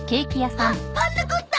あっ「パンナコッタ」！